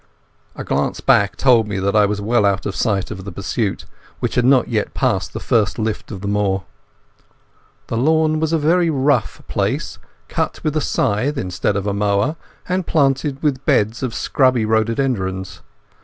A glance back told me that I was well out of sight of the pursuit, which had not yet passed the first lift of the moor. The lawn was a very rough place, cut with a scythe instead of a mower, and planted with beds of scrubby rhododendrons.